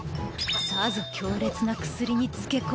さぞ強烈な薬に漬け込んで。